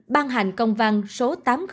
ban hành công văn số tám trăm linh một